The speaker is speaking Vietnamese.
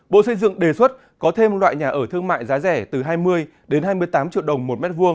bộ xây dựng đề xuất có thêm loại nhà ở thương mại giá rẻ từ hai mươi đến hai mươi tám triệu đồng một m hai